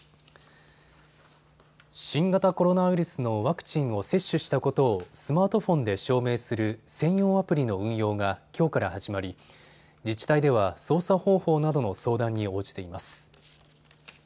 新型コロナウイルスのワクチンを接種したことをスマートフォンで証明する専用アプリの運用がきょうから始まり自治体では操作方法などの相談に応じています。